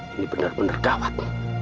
ini bener bener gawat